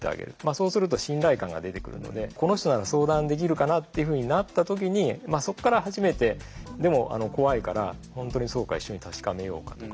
そうすると信頼感が出てくるのでこの人なら相談できるかなっていうふうになった時にまあそっから初めてでも怖いから本当にそうか一緒に確かめようかとかね。